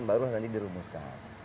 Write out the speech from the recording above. baru nanti dirumuskan